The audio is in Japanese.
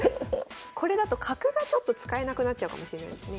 これだと角がちょっと使えなくなっちゃうかもしれないですね。